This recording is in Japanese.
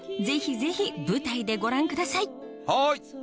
ぜひぜひ舞台でご覧くださいはい！